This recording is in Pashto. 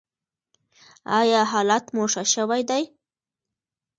ایا حالت مو ښه شوی دی؟